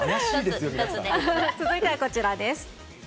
続いてはこちらです。